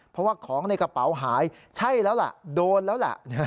เพราะว่าของในกระเป๋าหายใช่แล้วล่ะโดนแล้วแหละ